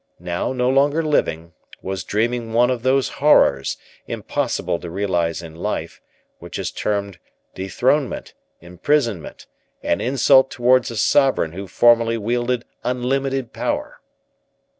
now no longer living, was dreaming one of those horrors, impossible to realize in life, which is termed dethronement, imprisonment, and insult towards a sovereign who formerly wielded unlimited power.